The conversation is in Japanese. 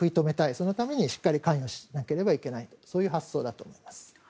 そのためにしっかり関与しなければいけないという発想だと思います。